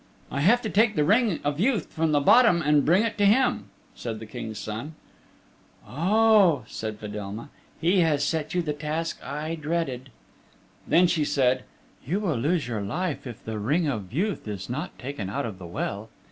"I have to take the Ring of Youth from the bot tom and bring it to him," said the King's Son. "Oh," said Fedelma,'"he has set you the task I dreaded." Then she said, "You will lose your life if the Ring of Youth is not taken out of the well.